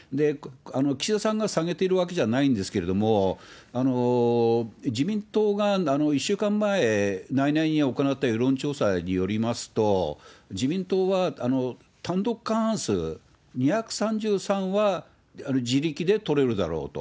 岸田さんが下げているわけじゃないんですけれども、自民党が１週間前、内々に行った世論調査によりますと、自民党は単独過半数、２３３は自力で取れるだろうと。